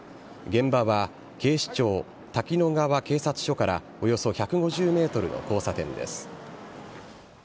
現場は警視庁滝野川警察署からおよそ１５０メートルの交差点です。